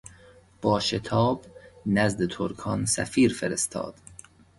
با شتاب نزد ترکان سفیر فرستاد.